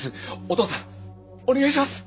お義父さんお願いします。